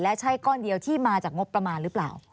และใช่ก้อนเดียวที่มาจากงบประมาณหรือเปล่า